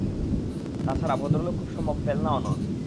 তাছাড়া ভদ্রলোক খুব সম্ভব ফ্যালনাও নন।